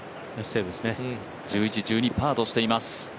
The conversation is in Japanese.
１１、１２、パーとしています。